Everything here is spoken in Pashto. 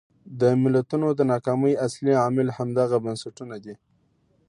د ملتونو د ناکامۍ اصلي عامل همدغه بنسټونه دي.